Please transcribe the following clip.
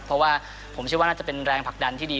เพราะว่าผมเชื่อว่าน่าจะเป็นแรงผลักดันที่ดี